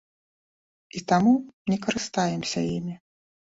І таму не карыстаемся імі.